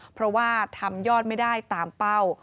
เพราะว่าทำยอดไม่ได้ตามเป้า